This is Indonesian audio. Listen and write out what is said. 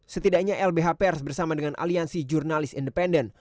setidaknya lbh pers bersama dengan aliansi jurnalis independen